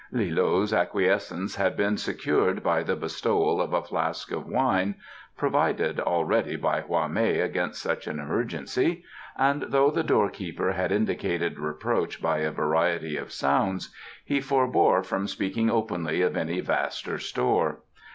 Li loe's acquiescence had been secured by the bestowal of a flask of wine (provided already by Hwa mei against such an emergency), and though the door keeper had indicated reproach by a variety of sounds, he forbore from speaking openly of any vaster store.